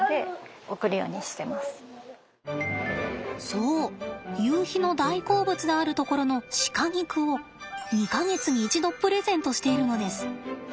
そうゆうひの大好物であるところの鹿肉を２か月に一度プレゼントしているのです。